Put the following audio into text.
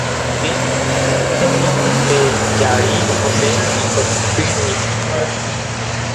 Upépentema nde jarýi osẽ ikotýgui.